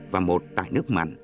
và một tại nước mạnh